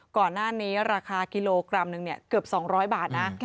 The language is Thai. ก่อนหน้านี้ราคากิโลกรัมหนึ่งเกือบ๒๐๐บาทนะ